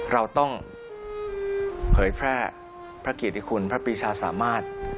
เราต้องเผยแพร่พระเกียรติคุณพระปีชาสามารถ